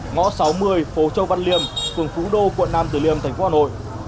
ngõ sáu mươi phố châu văn liêm quận phú đô quận nam tử liêm thành phố hà nội